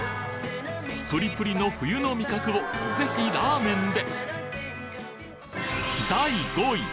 ぷりぷりの冬の味覚をぜひラーメンで！